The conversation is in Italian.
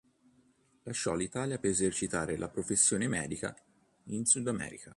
Lasciò l'Italia per esercitare la professione medica in Sudamerica.